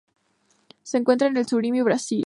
Se encuentra en Surinam y Brasil.